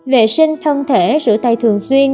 vệ sinh thân thể rửa tay thường xuyên